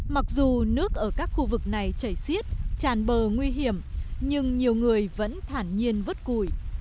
mặc dù nước ở các khu vực này chảy xiết tràn bờ nguy hiểm nhưng nhiều người vẫn thản nhiên vớt củi